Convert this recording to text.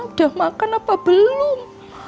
udah makan apa belum